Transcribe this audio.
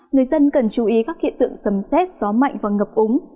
người dân cần chú ý các hiện tượng sầm xét gió mạnh và ngập úng